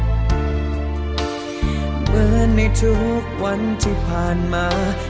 เหมือนในทุกวันที่ผ่านมา